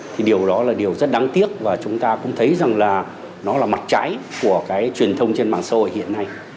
thì điều đó là điều rất đáng tiếc và chúng ta cũng thấy rằng là nó là mặt trái của cái truyền thông trên mạng xã hội hiện nay